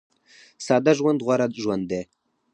ساده ژوند غوره ژوند دی